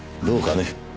どうかね？